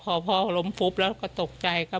เป็นมีดปลายแหลมยาวประมาณ๑ฟุตนะฮะที่ใช้ก่อเหตุ